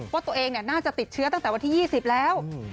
ว่าตัวเองน่าจะติดเชื้อตั้งแต่วันที่๒๐แล้ว